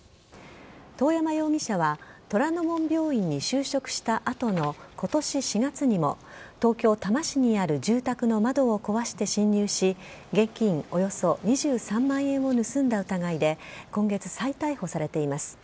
遠山容疑者は、虎の門病院に就職したあとのことし４月にも、東京・多摩市にある住宅の窓を壊して侵入し、現金およそ２３万円を盗んだ疑いで、今月、再逮捕されています。